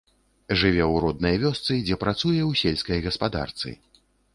Жыве ў роднай вёсцы, дзе працуе ў сельскай гаспадарцы.